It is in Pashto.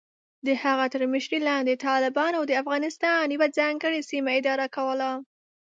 د هغه تر مشرۍ لاندې، طالبانو د افغانستان یوه ځانګړې سیمه اداره کوله.